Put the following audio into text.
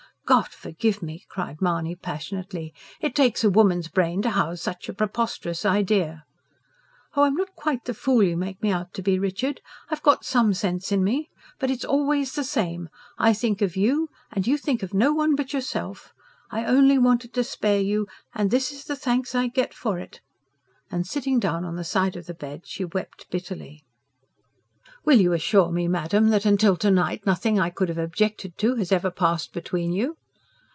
"God forgive me!" cried Mahony passionately. "It takes a woman's brain to house such a preposterous idea." "Oh, I'm not quite the fool you make me out to be, Richard. I've got some sense in me. But it's always the same. I think of you, and you think of no one but yourself. I only wanted to spare you. And this is the thanks I get for it." And sitting down on the side of the bed she wept bitterly. "Will you assure me, madam, that till to night nothing I could have objected to has ever passed between you?"